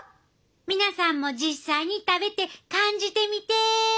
皆さんも実際に食べて感じてみて！